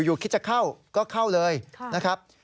คิดจะเข้าก็เข้าเลยนะครับ